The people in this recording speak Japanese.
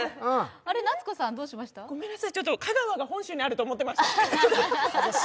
ごめんなさい、香川が本州にあると思ってました。